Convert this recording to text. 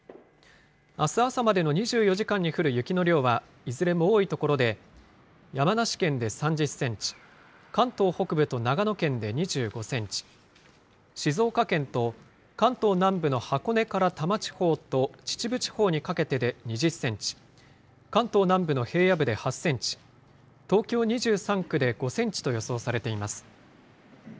あす朝までの２４時間に降る雪の量は、いずれも多い所で、山梨県で３０センチ、関東北部と長野県で２５センチ、静岡県と関東南部の箱根から多摩地方と秩父地方にかけてで２０センチ、関東南部の平野部で８センチ、東京２３区で５センチと予想されています。